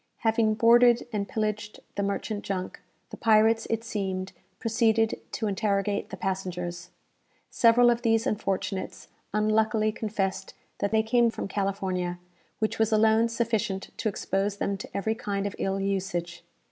Having boarded and pillaged the merchant junk, the pirates, it seemed, proceeded to interrogate the passengers. Several of these unfortunates unluckily confessed that they came from California, which was alone sufficient to expose them to every kind of ill usage.